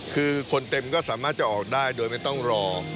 คือคนเต็มก็สามารถจะออกได้โดยไม่ต้องรอ